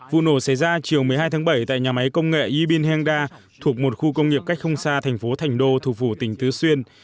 đầu hôm hai chiều một mươi hai bảy tại nhà máy công nghệ yibin hangda thuộc một khu công nghiệp cách không xa thành phố thành đô thuộc vù tỉnh tứ xuyên